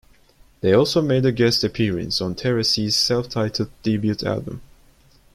They also made a guest appearance on Tyrese's self-titled debut album.